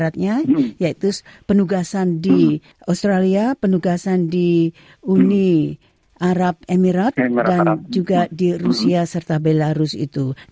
dikedepankanlah oleh uni arab emirat itu sendiri